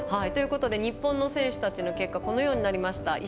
日本の選手たちの結果このようになりました。